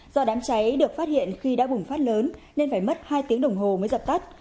do đám cháy được phát hiện khi đã bùng phát lớn nên phải mất hai tiếng đồng hồ mới dập tắt